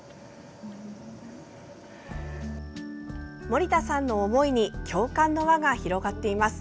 森田さんの思いに共感の輪が広がっています。